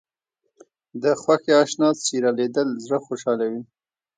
د خوښۍ اشنا څېره لیدل زړه خوشحالوي